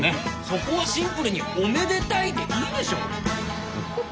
そこはシンプルに「おめでタイ」でいいでしょ！